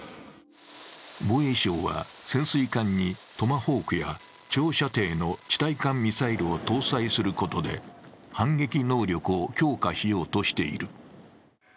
防衛省は潜水艦にトマホークや長射程の地対艦ミサイルを搭載することで反撃能力を強化しようとしている。